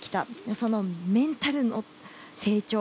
そのメンタルの成長。